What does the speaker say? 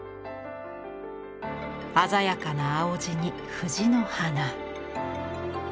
鮮やかな青地に藤の花。